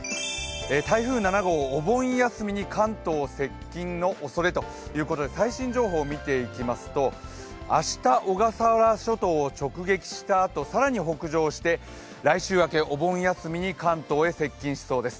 台風７号、お盆休みに関東接近のおそれということで最新情報を見ていきますと、明日、小笠原諸島を直撃したあと更に北上して来週開けお盆休みに関東へ接近しそうです。